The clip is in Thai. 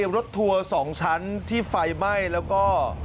รถทัวร์๒ชั้นที่ไฟไหม้แล้วก็